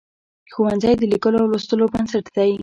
ښوونځی د لیکلو او لوستلو بنسټ دی.